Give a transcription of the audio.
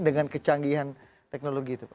dengan kecanggihan teknologi itu pak